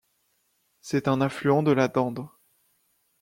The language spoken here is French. C'est un affluent de la Dendre.